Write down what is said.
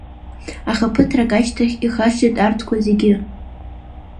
Аха ԥыҭрак ашьҭахь ихашҭит арҭқәа зегьы.